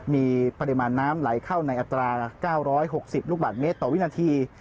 มีปริมาณน้ำไหลเข้าในอัตรา๙๖๐ลูกบาทเมตรต่อวินาที